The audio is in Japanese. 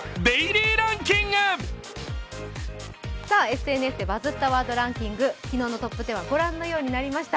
ＳＮＳで「バズったワードランキング」、昨日のトップ１０はご覧のようになりました。